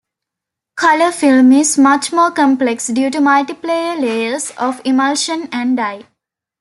Color film is much more complex due to multiple layers of emulsion and dye.